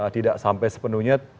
tidak sampai sepenuhnya